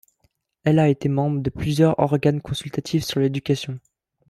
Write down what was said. Elle a été membre de plusieurs organes consultatifs sur l'éducation.